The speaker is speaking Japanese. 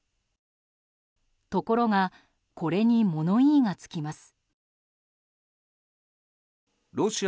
ところがこれに物言いがつきます。